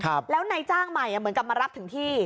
แล้วนายจ้างใหม่อ่ะเหมือนกับมารับถึงที่